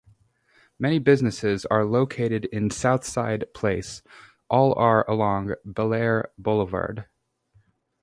Many businesses are located in Southside Place; all are along Bellaire Boulevard.